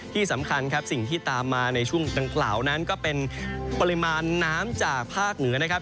ที่สำคัญครับสิ่งที่ตามมาในช่วงดังกล่าวนั้นก็เป็นปริมาณน้ำจากภาคเหนือนะครับ